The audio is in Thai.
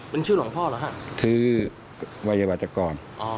เป็นชื่อหลวงพ่อเหรอฮะคือวัยวัตกร